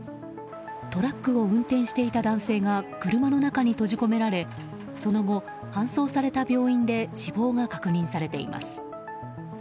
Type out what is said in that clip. トラックを運転していた男性が車の中に閉じ込められその後、搬送された病院で死亡が確認されています。